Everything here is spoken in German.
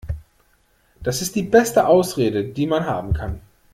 Das ist die beste Ausrede, die man haben kann.